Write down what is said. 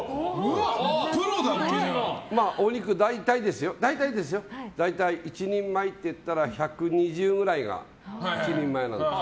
お肉、大体ですよ大体１人前っていったら１２０ぐらいが１人前なんです。